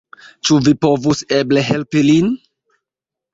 Ĉu vi povus eble helpi lin?